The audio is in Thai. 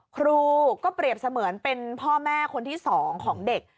ครูก็เปรียบเสมือนเป็นพ่อแม่คนที่๒ของเด็ก